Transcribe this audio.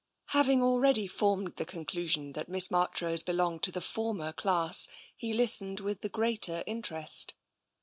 Having already formed the conclusion that Miss Marchrose belonged to the former class, he listened with the greater interest.